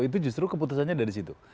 itu justru keputusannya ada disitu